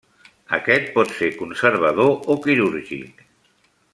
Aquest pot ser conservador o quirúrgic.